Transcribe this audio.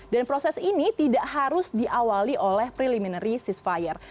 dan proses ini tidak harus diawali oleh preliminary ceasefire